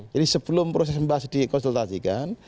jadi sebelum proses membahas dikonsultasikan